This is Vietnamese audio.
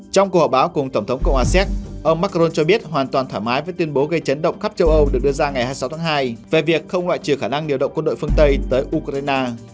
tổng thống pháp được đưa ra ngày hai mươi sáu tháng hai về việc không loại trừ khả năng điều động quân đội phương tây tới ukraine